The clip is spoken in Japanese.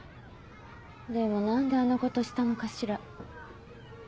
でも何であんなことしたのかしら？